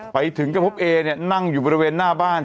ไปถึงก็พบเอเนี่ยนั่งอยู่บริเวณหน้าบ้าน